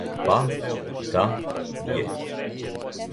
Па, да, је.